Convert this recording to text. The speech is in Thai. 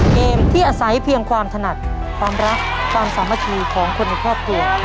เกมที่อาศัยเพียงความถนัดความรักความสามัคคีของคนในครอบครัว